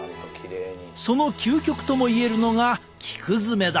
その究極とも言えるのが菊詰めだ。